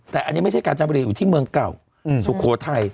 แต่อันนี้ไม่ใช่กาญจนบุรีอยู่ที่เมืองเก่าสุโขทัย